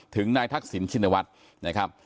ถึงนายทักศิลป์ชินวัตร